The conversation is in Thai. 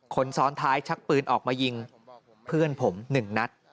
คนซ้อนท้ายชักปืนออกมายิงเพื่อนผม๑นัด